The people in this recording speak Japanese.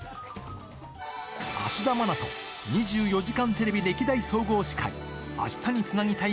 芦田愛菜と２４時間テレビ歴代総合司会、明日につなぎたい！